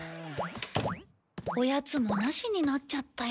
おやつもなしになっちゃったよ。